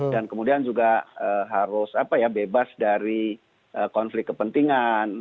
dan kemudian juga harus bebas dari konflik kepentingan